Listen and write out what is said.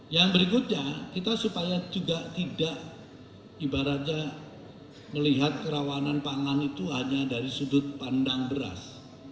yang berikutnya kita supaya juga tidak ibaratnya melihat kerawanan pangan itu hanya dari sudut pandang beras